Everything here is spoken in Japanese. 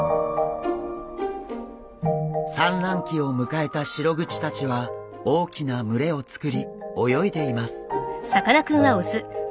産卵期を迎えたシログチたちは大きな群れを作り泳いでいます。